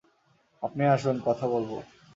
আপনি আসুন, কথা বলব।